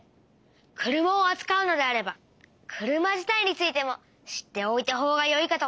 車をあつかうのであれば車自体についても知っておいたほうがよいかと。